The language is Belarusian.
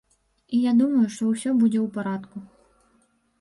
І я думаю, што ўсё будзе ў парадку!